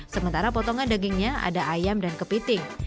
sementara potongan dagingnya ada ayam dan kepiting